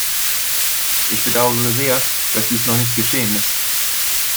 Ich bedauere sehr, dass dies noch nicht geschehen ist.